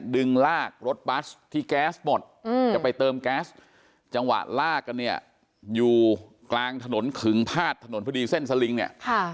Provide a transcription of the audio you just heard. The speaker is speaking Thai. ดึงลากรถบัสที่แก๊สหมดจะไปเติมแก๊สจังหวะลากกันเนี่ยอยู่กลางถนนขึงพาดถนนพอดีเส้นสลิงเนี่ย